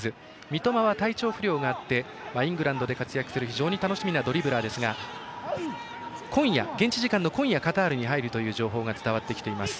三苫は体調不良があってイングランドで活躍する非常に楽しみなドリブラーですが現地時間の今夜カタールに入るという情報が伝わってきています。